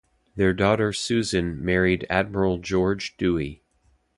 Their daughter Susan married admiral George Dewey.